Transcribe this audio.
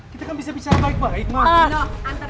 kita kan bisa bicara baik baik